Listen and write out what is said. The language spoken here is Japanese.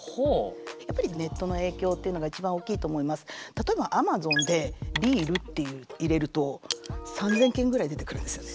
例えばアマゾンでビールって入れると３，０００件ぐらい出てくるんですよね。